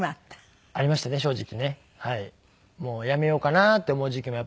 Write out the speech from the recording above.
もう辞めようかなって思う時期もやっぱり。